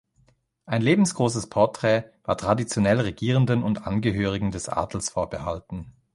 Ein lebensgroßes Porträt war traditionell Regierenden und Angehörigen des Adels vorbehalten.